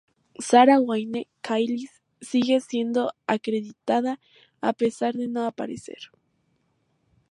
Sarah Wayne Callies sigue siendo acreditada a pesar de no aparecer.